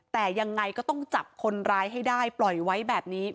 แต่ยังไงก็ต้องจับคนร้ายให้ได้ปล่อยไว้แบบนี้